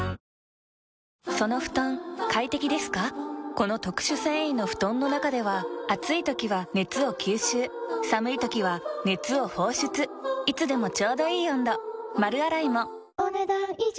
この特殊繊維の布団の中では暑い時は熱を吸収寒い時は熱を放出いつでもちょうどいい温度丸洗いもお、ねだん以上。